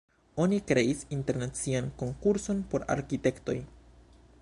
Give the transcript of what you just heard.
Oni kreis internacian konkurson por arkitektoj.